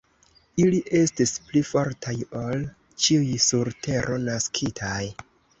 Ili estis pli fortaj ol ĉiuj, sur tero naskitaj.